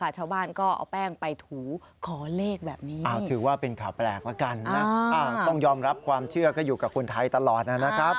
เชื่อก็อยู่กับคุณไทยตลอดนะครับ